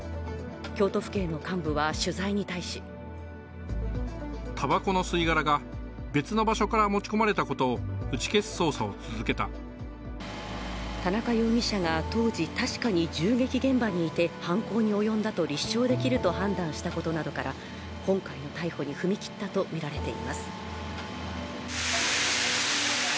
京都府警の幹部は取材に対し田中容疑者が当時、確かに銃撃現場にいて犯行に及んだと立証できると判断したことなどから今回の逮捕に踏み切ったとみられています。